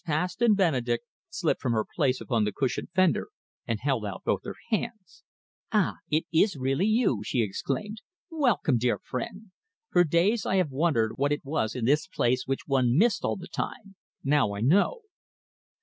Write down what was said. Paston Benedek slipped from her place upon the cushioned fender and held out both her hands. "Ah, it is really you!" she exclaimed. "Welcome, dear friend! For days I have wondered what it was in this place which one missed all the time. Now I know."